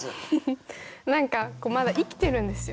何かまだ生きてるんですよ。